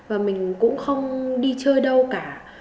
nên là mình cũng không đi chơi đâu cả